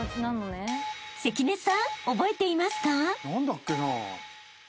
［関根さん覚えていますか？］